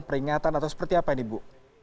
peringatan atau seperti apa ini bu